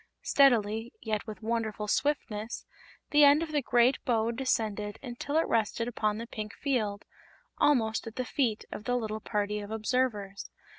Steadily, yet with wonderful swiftness, the end of the great bow descended until it rested upon the pink field almost at the feet of the little party of observers.